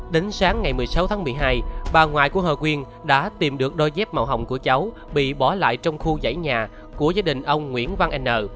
đến sáng ngày một mươi sáu tháng một mươi hai bà ngoại của hờ quyên đã tìm được đôi dép màu hồng của cháu bị bỏ lại trong khu dãy nhà của gia đình ông nguyễn văn n